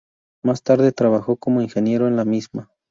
Más tarde trabajó como ingeniero en la misma.